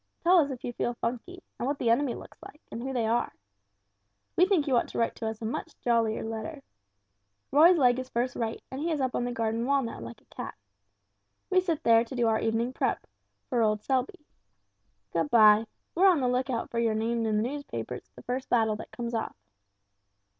Tell us if you feel funky, and what the enemy looks like, and who they are. We think you ought to write us a much jollier letter. Roy's leg is first rate, and he is up on the garden wall now like a cat. We sit there to do our evening prep: for old Selby. Good bye. We're on the lookout for your name in the newspapers the first battle that comes off.